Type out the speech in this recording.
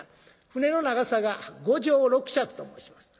船の長さが５丈６尺と申します。